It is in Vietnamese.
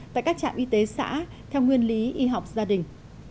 tại các trạm y tế xã theo nguyên lý y học gia đình